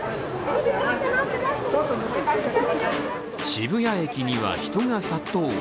渋谷駅には、人が殺到。